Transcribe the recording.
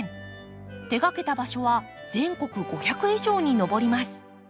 手がけた場所は全国５００以上に上ります。